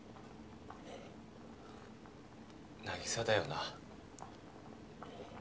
凪沙だよな？